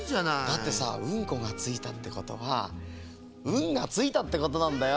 だってさウンコがついたってことはウンがついたってことなんだよ。